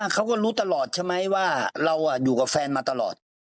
เขาก็รู้ตลอดใช่ไหมว่าเราอยู่กับแฟนมาตลอด